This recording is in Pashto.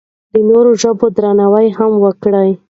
د نورو ژبو درناوی هم وکړو.